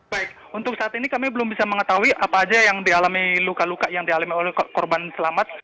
baik untuk saat ini kami belum bisa mengetahui apa saja yang dialami luka luka yang dialami oleh korban selamat